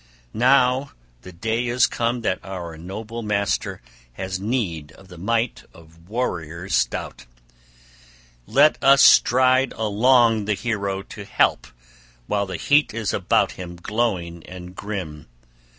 Now the day is come that our noble master has need of the might of warriors stout. Let us stride along the hero to help while the heat is about him glowing and grim!